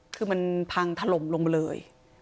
คือมันพังถล่มลงมาเลย